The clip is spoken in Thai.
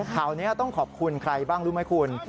ข่าวนี้ต้องขอบคุณใครบ้างรู้ไหมคุณ